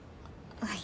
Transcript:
はい。